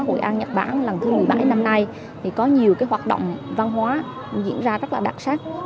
hội an nhật bản lần thứ một mươi bảy năm nay thì có nhiều hoạt động văn hóa diễn ra rất là đặc sắc